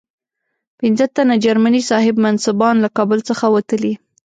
پنځه تنه جرمني صاحب منصبان له کابل څخه وتلي.